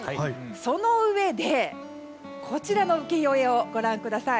そのうえで、こちらの浮世絵をご覧ください。